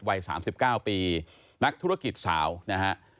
วัย๓๙ปีนักธุรกิจสาวนะฮะ